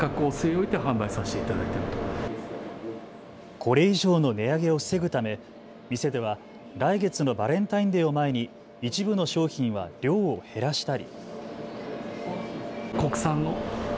これ以上の値上げを防ぐため店では来月のバレンタインデーを前に一部の商品は量を減らしたり。